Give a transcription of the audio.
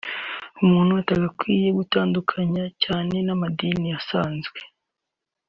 umuntu atagakwiye gutandukanya cyane n’amadini asanzwe